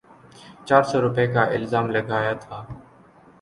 چار سو روپے کا الزام لگایا تھا۔